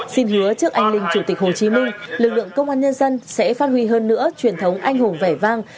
xin hứa trước anh linh chủ tịch hồ chí minh lực lượng công an nhân dân sẽ phát huy hơn nữa truyền thống anh hùng vẻ vang